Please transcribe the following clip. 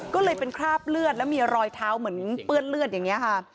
ก็เลยเป็นคราบเลือดแล้วมีรอยเท้าเหมือนเปื้อนเลือดอย่างนี้ค่ะ